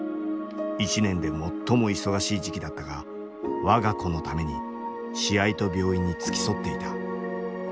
１年で最も忙しい時期だったが我が子のために試合と病院に付き添っていた。